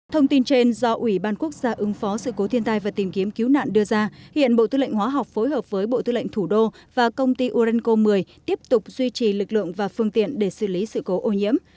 thông tin trên do ủy ban quốc gia ứng phó sự cố thiên tai và tìm kiếm cứu nạn đưa ra hiện bộ tư lệnh hóa học phối hợp với bộ tư lệnh thủ đô và công ty urenco một mươi tiếp tục duy trì lực lượng và phương tiện để xử lý sự cố ô nhiễm